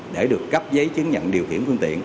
để được cấp giấy chứng nhận điều khiển phương tiện